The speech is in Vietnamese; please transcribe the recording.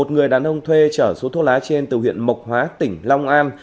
một người đàn ông thuê chở số thuốc lá trên từ huyện mộc hóa tỉnh long an